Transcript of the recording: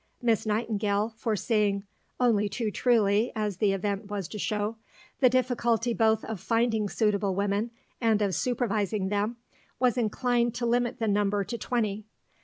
Miss Nightingale, foreseeing (only too truly, as the event was to show) the difficulty both of finding suitable women and of supervising them, was inclined to limit the number to twenty.